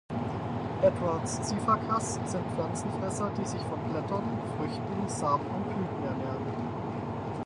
Edwards-Sifakas sind Pflanzenfresser, die sich von Blättern, Früchten, Samen und Blüten ernähren.